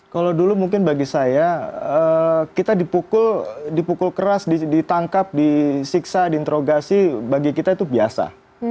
kalau dulu mungkin bagi saya kita dipukul keras ditangkap disiksa diinterogasi bagi kita itu biasa